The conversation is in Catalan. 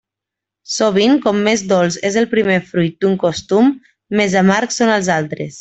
Sovint com més dolç és el primer fruit d'un costum més amargs són els altres.